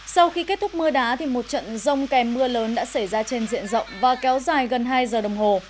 sau khi kết thúc mưa đá một trận rông kèm mưa lớn đã xảy ra trên diện rộng và kéo dài gần hai giờ đồng hồ